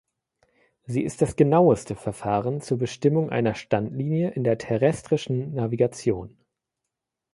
Sie ist das genaueste Verfahren zur Bestimmung einer Standlinie in der terrestrischen Navigation.